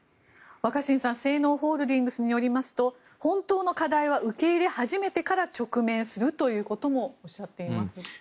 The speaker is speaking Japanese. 若新さんセイノーホールディングスによりますと、本当の課題は受け入れ始めてから直面するということもおっしゃっています。